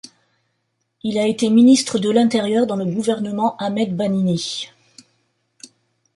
Il a été ministre de l’Intérieur dans le gouvernement Ahmed Bahnini.